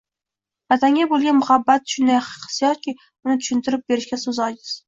Vatanga bo‘lgan muhabbat shunday hissiyotki uni tushuntirib berishga so‘z ojiz